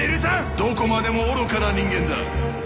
・どこまでも愚かな人間だ。